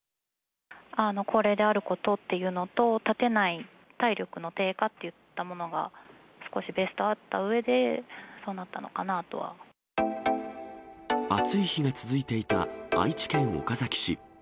高齢であることということと、立てない、体力の低下っていったものが、少しあったうえで、そうなったのかなとは。暑い日が続いていた愛知県岡崎市。